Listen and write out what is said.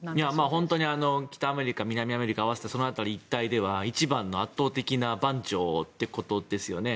本当に北アメリカ、南アメリカ合わせてその一帯では圧倒的な番長ということですよね。